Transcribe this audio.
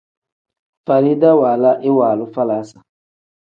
Farida waala iwaalu falaasa.